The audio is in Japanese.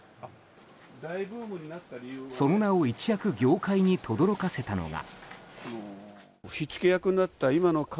その名を一躍業界にとどろかせたのが。